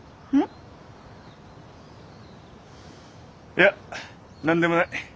いや何でもない。